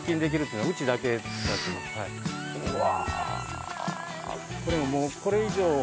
うわ。